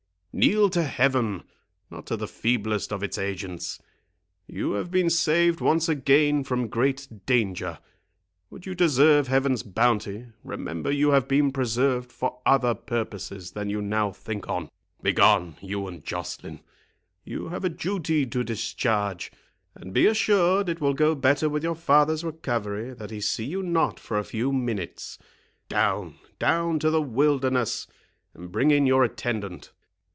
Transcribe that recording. Kneel to Heaven, not to the feeblest of its agents. You have been saved once again from great danger; would you deserve Heaven's bounty, remember you have been preserved for other purposes than you now think on. Begone, you and Joceline—you have a duty to discharge; and be assured it will go better with your father's recovery that he see you not for a few minutes. Down—down to the wilderness, and bring in your attendant."